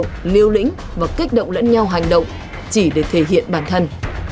các đối tượng liêu lĩnh và kích động lẫn nhau hành động chỉ để thể hiện bản thân